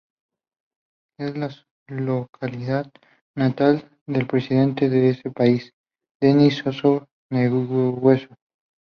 Es la localidad natal del presidente de ese país, Denis Sassou-Nguesso.